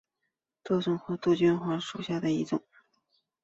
多花杜鹃为杜鹃花科杜鹃属下的一个种。